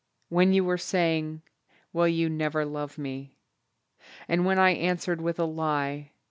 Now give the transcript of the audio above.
When you were saying, "Will you never love me?" And when I answered with a lie.